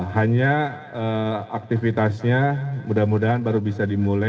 hanya aktivitasnya mudah mudahan baru bisa dimulai